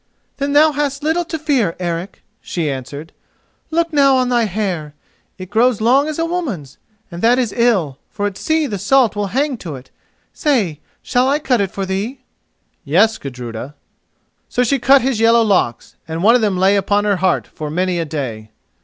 "Then thou hast little to fear, Eric," she answered. "Look now on thy hair: it grows long as a woman's, and that is ill, for at sea the salt will hang to it. Say, shall I cut it for thee?" "Yes, Gudruda." So she cut his yellow locks, and one of them lay upon her heart for many a day.